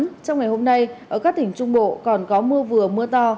trong ngày hôm nay ở các tỉnh trung bộ còn có mưa vừa mưa to